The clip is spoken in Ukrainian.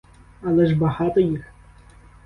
Але ж багато їх!